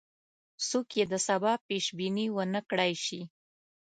څوک یې د سبا پیش بیني ونه کړای شي.